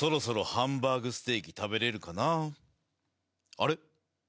あれ？